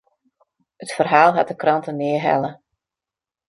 It ferhaal hat de krante nea helle.